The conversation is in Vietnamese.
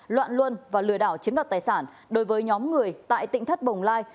loạn luân và lừa đảo chiếm đoạt tài sản đối với nhóm người tại tỉnh thất bồng lai